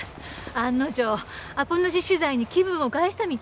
案の定アポなし取材に気分を害したみたい。